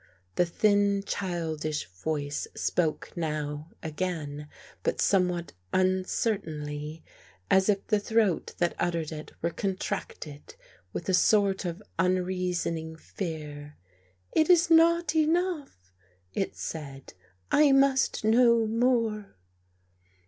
The thin childish voice spoke now again, but somewhat uncertainly, as if the throat that uttered it were contracted with a sort of unreasoning fear. " It is not enough,'' it said. " I must know more."